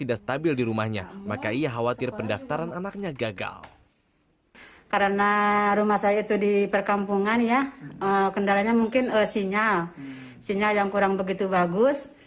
agak susah masuk ya bu